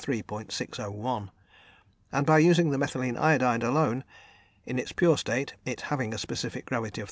601; and by using the methylene iodide alone, in its pure state, it having a specific gravity of 3.